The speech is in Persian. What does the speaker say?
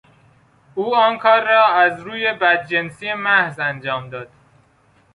او آن کار را از روی بدجنسی محض انجام داد.